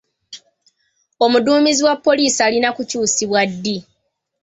Omudduumizi wa poliisi alina kukyusibwa ddi?